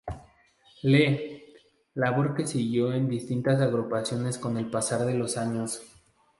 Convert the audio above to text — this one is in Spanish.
Lee, labor que siguió en distintas agrupaciones con el pasar de los años.